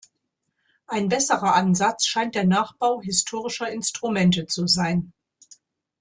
Ein besserer Ansatz scheint der Nachbau historischer Instrumente zu sein.